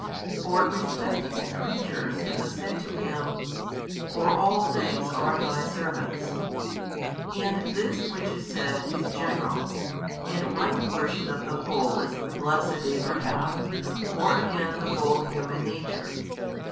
For respecting the creatures it was said to Him, For all things are Thy servants. And this which is said is general, and one portion of the whole is the blessed Abraham, or again the whole human nature.